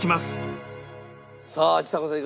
さあちさ子さん